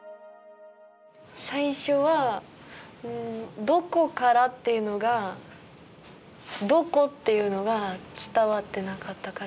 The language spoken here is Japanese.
最初はうん「どこから」っていうのが「どこ」っていうのが伝わってなかったから。